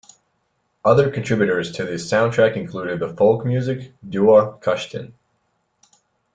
Other contributors to the soundtrack included the folk music duo Kashtin.